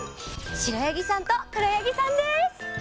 しろやぎさんとくろやぎさんです。